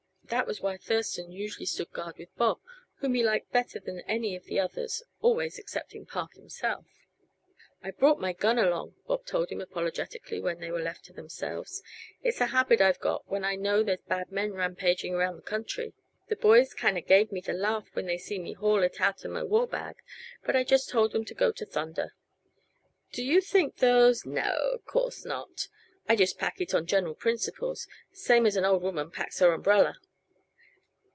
That was why Thurston usually stood guard with Bob, whom he liked better than any of the others always excepting Park himself. "I brought my gun along," Bob told him apologetically when they were left to themselves. "It's a habit I've got when I know there's bad men rampaging around the country. The boys kinda gave me the laugh when they seen me haul it out uh my war bag, but I just told 'em to go to thunder." "Do you think those " "Naw. Uh course not. I just pack it on general principles, same as an old woman packs her umbrella."